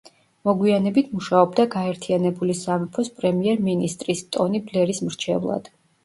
მოგვიანებით მუშაობდა გაერთიანებული სამეფოს პრემიერ-მინისტრის, ტონი ბლერის მრჩევლად.